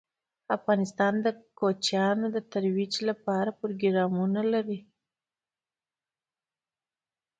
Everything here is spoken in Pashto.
افغانستان د کوچیان د ترویج لپاره پروګرامونه لري.